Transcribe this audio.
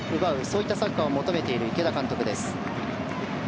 そういったサッカーを求めている池田監督です。